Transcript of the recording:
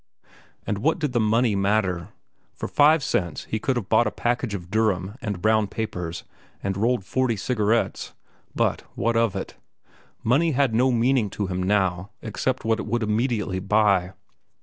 And what did the money matter? For five cents he could have bought a package of Durham and brown papers and rolled forty cigarettes—but what of it? Money had no meaning to him now except what it would immediately buy.